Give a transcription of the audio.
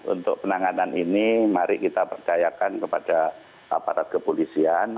untuk penanganan ini mari kita percayakan kepada aparat kepolisian